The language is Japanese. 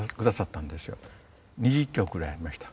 ２０曲ぐらいありました。